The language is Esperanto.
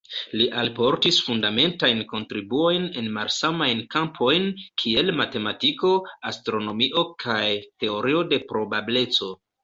Li alportis fundamentajn kontribuojn en malsamajn kampojn, kiel matematiko, astronomio kaj teorio de probableco.